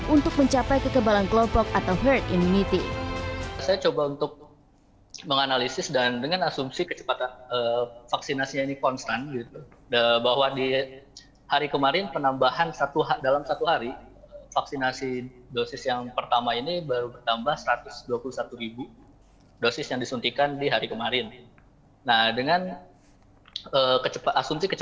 untuk mencapai kekebalan kelompok atau herd immunity